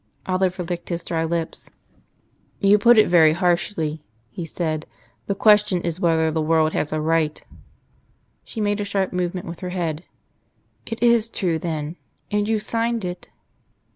Oliver licked his dry lips. "You put it very harshly," he said. "The question is, whether the world has a right " She made a sharp movement with her head. "It is true then. And you signed it?"